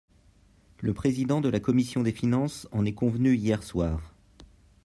Le président de la commission des finances en est convenu hier soir.